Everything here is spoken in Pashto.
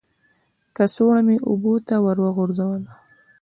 کڅوړه مې اوبو ته ور وغورځوله.